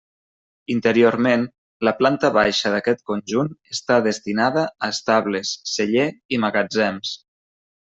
Interiorment, la planta baixa d'aquest conjunt està destinada a estables, celler i magatzems.